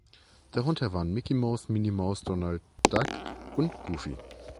Darunter waren Micky Maus, Minnie Maus, Donald Duck und Goofy.